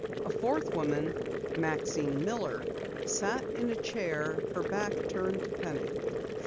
A fourth woman, Maxine Miller, sat in a chair, her back turned to Penny.